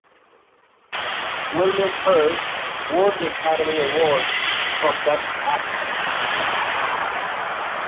William Hurt won the Academy Award for Best Actor.